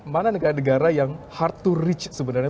mana negara negara yang hard to reach sebenarnya